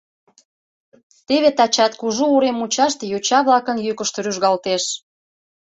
Теве тачат кужу урем мучаште йоча-влакын йӱкышт рӱжгалтеш.